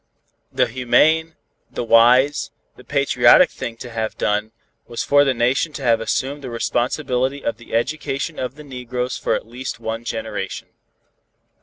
The humane, the wise, the patriotic thing to have done, was for the Nation to have assumed the responsibility of the education of the negroes for at least one generation.